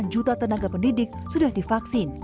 satu sembilan juta tenaga pendidik sudah divaksin